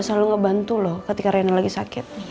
saya juga tak ngerti